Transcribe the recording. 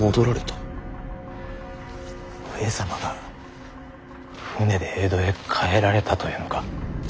上様が船で江戸へ帰られたというのか。